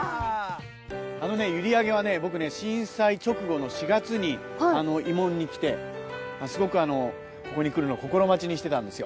閖上は僕震災直後の４月に慰問に来てすごくここに来るの心待ちにしてたんですよ。